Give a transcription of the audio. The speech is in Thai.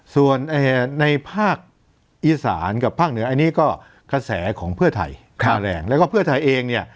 ส่วนในภาคอีสานกับภาคเหนืออันนี้ก็กระแสของเพื่อไทยค่าแรงแล้วก็เพื่อไทยเองเนี่ย